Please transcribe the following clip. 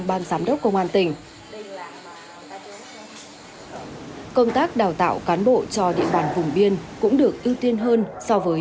ban giám đốc công an tỉnh công tác đào tạo cán bộ cho địa bàn vùng biên cũng được ưu tiên hơn so với